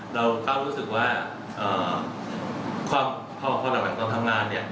เราก็รู้สึกว่าพอดับหลังตอนทำงานเนี่ย